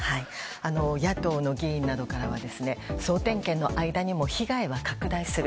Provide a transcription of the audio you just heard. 野党の議員は総点検の間にも被害は拡大する。